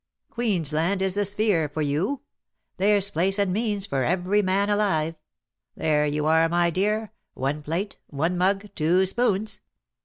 Queensland is the sphere for you. ' There's place and means for every man alive.' There you are, my dear — one plate, one mug, two spoons.